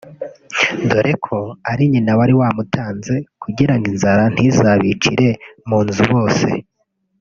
dore ko ari nyina wari wamutanze kugira ngo inzara ntizabicire mu nzu bose